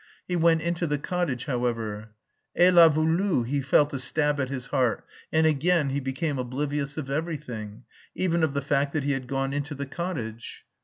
He went into the cottage, however. "Elle l'a voulu" he felt a stab at his heart and again he became oblivious of everything, even of the fact that he had gone into the cottage.